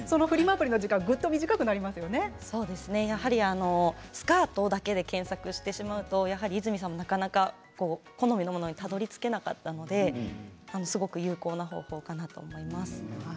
アプリの時間がスカートだけで検索してしまうと和泉さんもなかなか好みのものにたどりつけなかったのですごく有効な方法かなと思います。